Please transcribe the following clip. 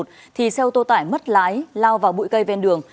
thì xe ô tô tải mất lái lao vào bụi cây ven đường